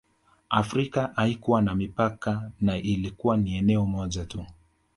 Afrika haikuwa na mipaka na ilikuwa ni eneo moja tu